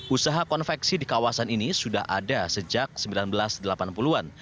usaha konveksi di kawasan ini sudah ada sejak seribu sembilan ratus delapan puluh an